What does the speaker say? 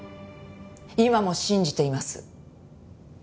今も信じています。